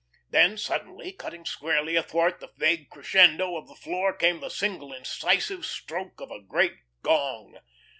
Then suddenly, cutting squarely athwart the vague crescendo of the floor came the single incisive stroke of a great gong.